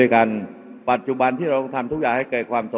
อย่าให้ลุงตู่สู้คนเดียว